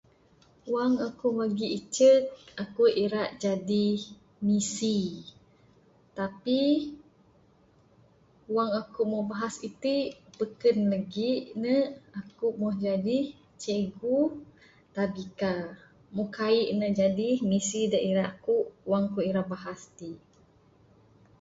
Wang aku legi icek aku ira jadi misi, tapi wang aku moh bahas iti beken legi ne aku moh jadi cikgu Tabika moh kai ne jadi misi dak ira ku wang aku ira bahas t.